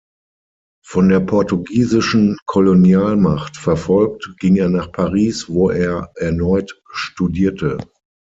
Von der portugiesischen Kolonialmacht verfolgt, ging er nach Paris, wo er erneut studierte.